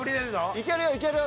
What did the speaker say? いけるよいける。